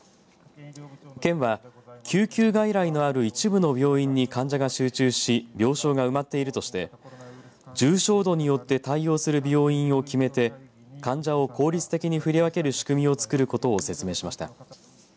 県は救急外来のある一部の病院に患者が集中し病床が埋まっているとして重症度によって対応する病院を決めて患者を効率的に振り分ける仕組みを作ることを説明しました。